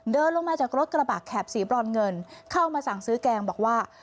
เดินลงมาจากรถกระบะแข็บสีบรอนเงินเข้ามาสั่งซื้อแกงบอกว่า